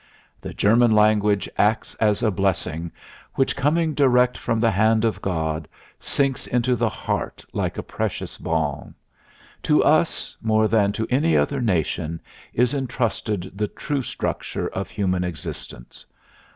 The German language acts as a blessing which, coming direct from the hand of God, sinks into the heart like a precious balm. To us, more than any other nation, is intrusted the true structure of human existence.